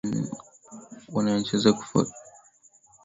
Wanacheza na kufurahia wakiruka huku na kule tamashani